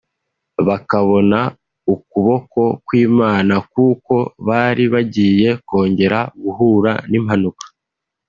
bakabona ukuboko kw’Imana kuko bari bagiye kongera guhura n’impanuka